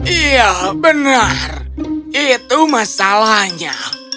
iya benar itu masalahnya